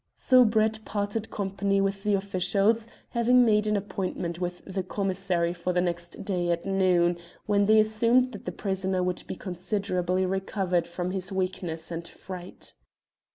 So Brett parted company with the officials, having made an appointment with the commissary for the next day at noon, when they assumed that the prisoner would be considerably recovered from his weakness and fright.